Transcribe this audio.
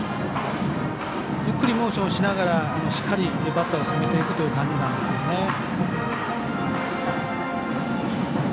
ゆっくりモーションしながらしっかりバッターを攻めていくという感じなんですよね。